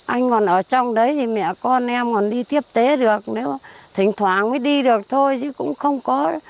anh còn ở trong đấy thì mẹ con em còn đi tiếp tế được nếu thỉnh thoảng mới đi được thôi chứ cũng không có